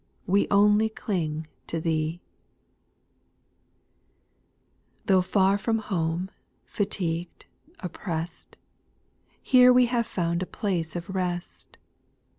We only cling to Thee ! 3. Though far from home, fatigued, opprest, Here we have found a place of rest.